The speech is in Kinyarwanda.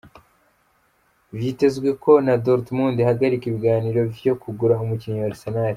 Vyitezwe ko na Dortmund ihagarika ibiganiro vyo kugura umukinyi wa Arsenal.